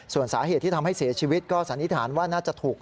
ส่วนสาเหตุที่ทำให้เสียชีวิตก็สันนิษฐานว่าน่าจะถูก